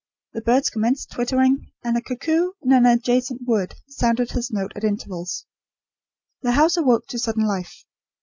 The birds commenced twittering; and a cuckoo, in an adjacent wood, sounded his note at intervals. The house awoke to sudden life.